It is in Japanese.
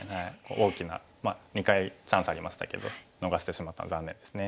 大きな２回チャンスありましたけど逃してしまったのは残念ですね。